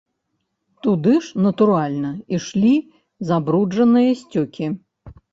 Туды ж, натуральна, ішлі забруджаныя сцёкі.